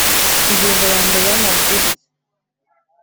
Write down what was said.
Ingingo ya mbere y amabwiriza